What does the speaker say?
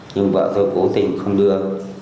nhưng vợ tôi cố tình không đưa